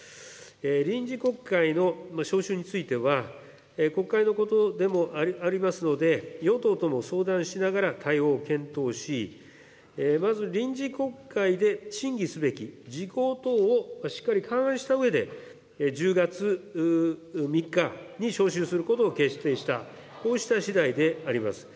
臨時国会の召集については、国会のことでもありますので、与党とも相談しながら対応を検討し、まず臨時国会で審議すべき事項等をしっかり勘案したうえで、１０月３日に召集することを決定した、こうした次第であります。